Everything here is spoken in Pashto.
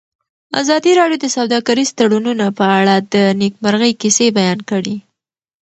ازادي راډیو د سوداګریز تړونونه په اړه د نېکمرغۍ کیسې بیان کړې.